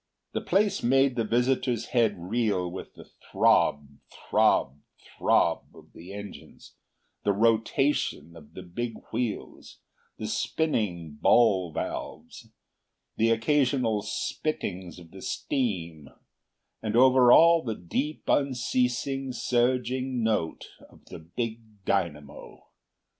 The place made the visitor's head reel with the throb, throb, throb of the engines, the rotation of the big wheels, the spinning ball valves, the occasional spittings of the steam, and over all the deep, unceasing, surging note of the big dynamo.